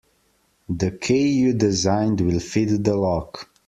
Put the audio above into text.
The key you designed will fit the lock.